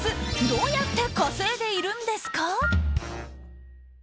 どうやって稼いでいるんですか？